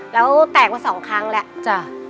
แล้วแตกว่า๒ครั้งแหละ